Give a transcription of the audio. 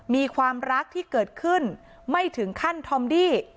มีความรักที่เกิดขึ้นไม่ถึงขั้นทอมดี้